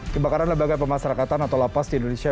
kebakaran lembaga pemasarakatan atau la paz di indonesia